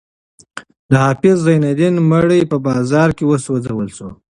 د حافظ زین الدین مړی په بازار کې وسوځول شو.